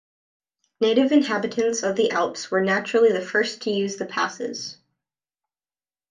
Native inhabitants of the Alps were naturally the first to use the passes.